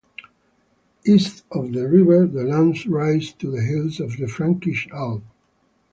East of the river the land rises to the hills of the Frankish Alb.